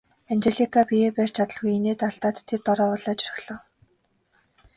Анжелика биеэ барьж чадалгүй инээд алдаад тэр дороо улайж орхилоо.